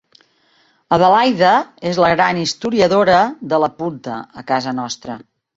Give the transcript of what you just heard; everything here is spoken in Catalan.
Adelaida és la gran historiadora de la punta a casa nostra.